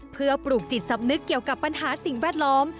เพื่อปลูกจิตสำนึกเกี่ยวกับปัญหาสิ่งแวดล้อม